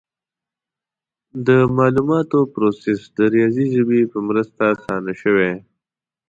د معلوماتو پروسس د ریاضي ژبې په مرسته اسانه شوی.